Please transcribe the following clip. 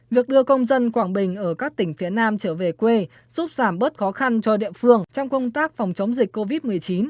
việc đưa công dân quảng bình ở các tỉnh phía nam trở về quê giúp giảm bớt khó khăn cho địa phương trong công tác phòng chống dịch covid một mươi chín